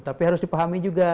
tapi harus dipahami juga